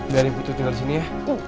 biarin putri tinggal disini ya